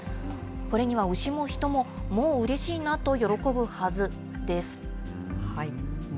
これには牛も人も、モーうれしいなと喜ぶはずです。